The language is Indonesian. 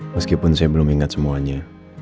meskipun saya belum ingat semuanya